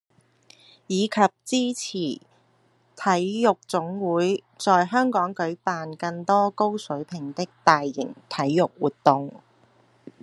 以及支持體育總會在香港舉辦更多高水平的大型體育活動